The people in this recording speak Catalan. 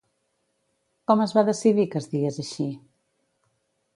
Com es va decidir que es digués així?